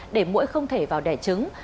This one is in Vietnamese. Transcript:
để mũi không thể vào đẻ trứng